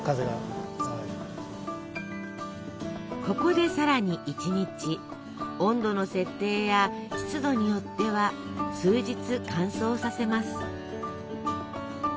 ここでさらに１日温度の設定や湿度によっては数日乾燥させます。